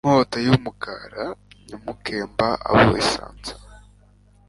Nkota yumugara nyamukemba abo isanze